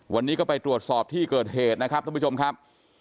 วันนี้ก็ไปตรวจสอบที่เกิดเหตุนะครับท่านผู้ชมครับ